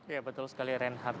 ya betul sekali renhard